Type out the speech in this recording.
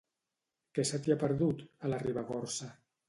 Què se t'hi ha perdut, a la Ribagorça?